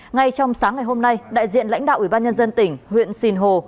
ngay trong sáng ngày hôm nay đại diện lãnh đạo ủy ban nhân dân tỉnh huyện sìn hồ